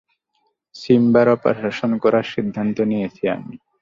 সিম্বার operation করানোর সিদ্ধান্ত নিয়েছি আমি।